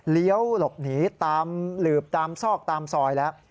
หลบหนีตามหลืบตามซอกตามซอยแล้ว